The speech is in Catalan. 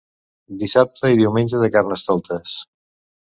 Dissabte i Diumenge de carnestoltes.